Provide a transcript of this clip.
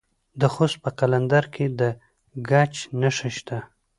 د خوست په قلندر کې د ګچ نښې شته.